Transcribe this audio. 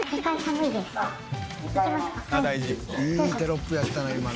いいテロップやったな今の。